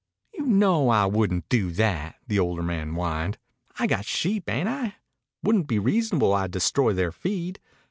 "You know I wouldn't do that," the older man whined. "I got sheep, ain't I? Wouldn't be reasonable I'd destroy their feed.